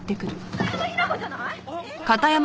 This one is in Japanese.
片山雛子じゃない？